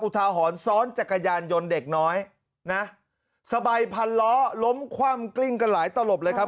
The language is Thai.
ทาหรณ์ซ้อนจักรยานยนต์เด็กน้อยนะสบายพันล้อล้มคว่ำกลิ้งกันหลายตลบเลยครับ